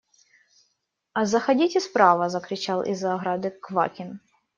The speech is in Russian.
А заходите справа! – закричал из-за ограды Квакин.